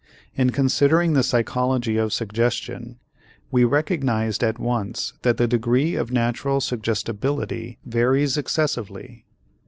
In considering the psychology of suggestion, we recognized at once that the degree of natural suggestibility varies excessively.